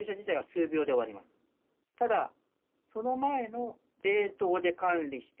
その前の冷凍で管理して